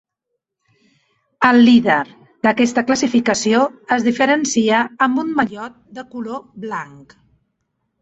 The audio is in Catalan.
El líder d'aquesta classificació es diferencia amb un mallot de color blanc.